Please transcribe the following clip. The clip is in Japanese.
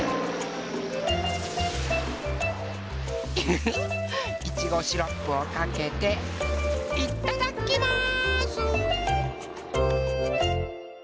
フフフいちごシロップをかけていただきます！